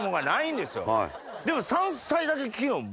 でも。